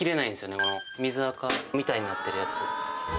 水アカみたいになってるやつ。